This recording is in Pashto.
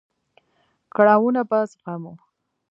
کړاوونه به زغمو.